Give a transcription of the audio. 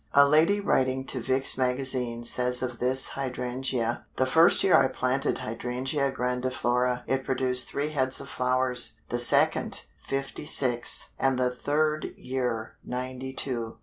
A lady writing to Vick's Magazine says of this Hydrangea: "The first year I planted Hydrangea Grandiflora it produced three heads of flowers, the second, fifty six, and the third year ninety two.